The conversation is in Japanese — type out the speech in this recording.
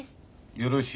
よろしい。